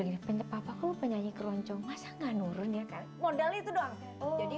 gede penyepapa kalau penyanyi keroncong masa enggak nurun ya kan modal itu doang oh jadi